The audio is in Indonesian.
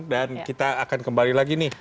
dan kita akan kembali lagi nih